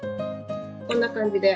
こんな感じで。